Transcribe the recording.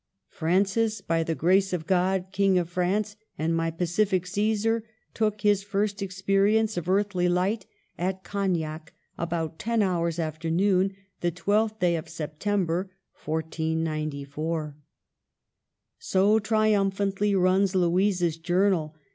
1 9 " Francis, by the grace of God, King of France, and my pacific Csesar, took his first experience of earthly light at Cognac, about ten hours after noon, the 1 2th day of September, 1494." So triumphantly runs Louisa's journal.